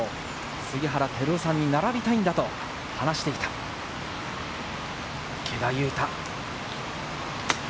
杉原輝雄さんに並びたいんだと話していた池田勇太。